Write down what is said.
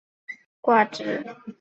客家人则呼为挂纸。